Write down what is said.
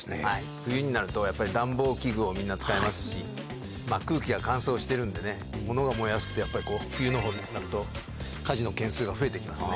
冬になるとやっぱり、暖房器具をみんな使いますし、空気が乾燥してるんでね、ものが燃えやすくて、やっぱりこう、冬のほうがざっと火事の件数が増えてきますね。